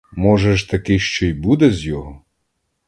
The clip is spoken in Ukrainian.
Може ж, таки що й буде з його.